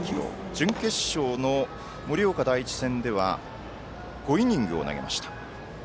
準決勝の盛岡第一戦では５イニングを投げました。